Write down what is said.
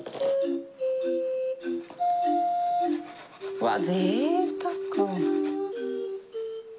うわっぜいたく。